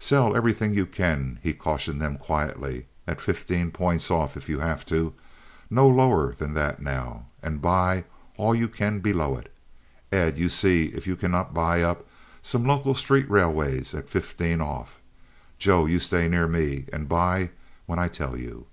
"Sell everything you can," he cautioned them quietly, "at fifteen points off if you have to—no lower than that now—and buy all you can below it. Ed, you see if you cannot buy up some local street railways at fifteen off. Joe, you stay near me and buy when I tell you."